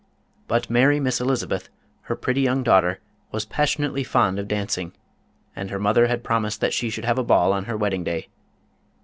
But merry Miss Elizabeth, her pretty young daughter, was passionately fond of dancing, and her mother had promised that she should have a ball on her wedding day.